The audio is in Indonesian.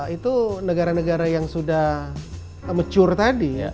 itu negara negara yang sudah mature tadi